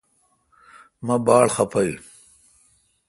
مہ باڑ خفہ۔